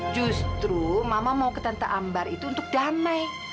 justru mama mau ke tenta ambar itu untuk damai